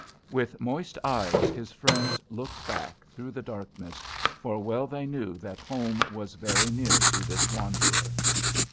With moist eyes his friends looked back through the darkness, for well they knew that home was very near to this wanderer.